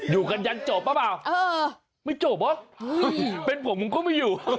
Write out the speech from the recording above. อยู่กันยันจบหรือเปล่าไม่จบเหรอเป็นผมผมก็ไม่อยู่